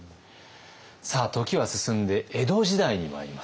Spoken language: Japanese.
さあ時は進んで江戸時代にまいります。